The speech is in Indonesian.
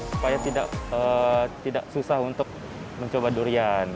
supaya tidak susah untuk mencoba durian